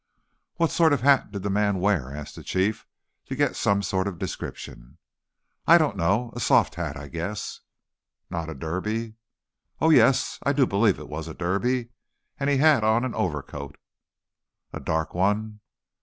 "What sort of hat did the man wear?" asked the Chief, to get some sort of description. "I don't know, a soft hat, I guess." "Not a Derby?" "Oh, yes! I do believe it was a Derby! And he had on an overcoat " "A dark one?"